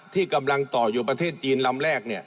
ที่กำลังต่ออยู่ประเทศจีนลำแรก